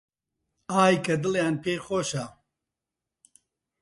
ئای کە دڵیان پێی خۆشە